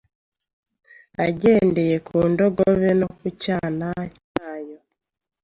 agendera ku ndogobe no ku cyana cyayo."